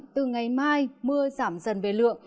từ ngày mai mưa giảm dần về lượng